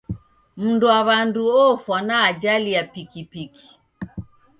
Mnduwaw'andu ofwa na ajali ya pikipiki.